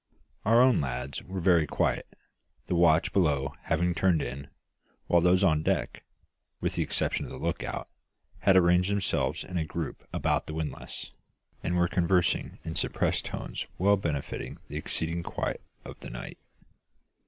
Our own lads were very quiet, the watch below having turned in, while those on deck, with the exception of the lookout, had arranged themselves in a group about the windlass, and were conversing in suppressed tones well befitting the exceeding quiet of the night.